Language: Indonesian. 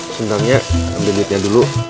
sebenarnya ambil duitnya dulu